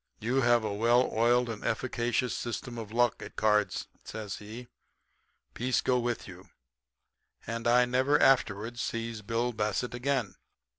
You have a well oiled and efficacious system of luck at cards,' says he. 'Peace go with you.' And I never afterward sees Bill Bassett again."